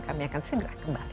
kami akan segera kembali